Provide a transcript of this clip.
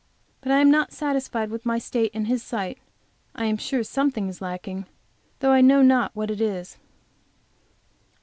But I am not satisfied with my state in His sight. I am sure something is lacking, though I know not what it is.